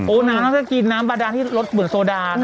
น้ำน่าจะกินน้ำบาดาที่รสเหมือนโซดานะ